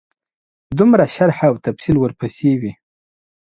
دومره شرح او تفصیل ورپسې وي.